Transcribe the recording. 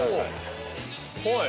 はい！